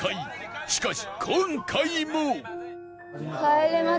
しかし今回も